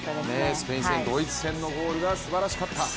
スペイン戦、ドイツ戦のゴールがすばらしかった。